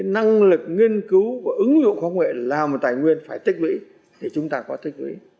năng lực nghiên cứu và ứng dụng khoa học nghệ làm tài nguyên phải tích lũy thì chúng ta có tích lũy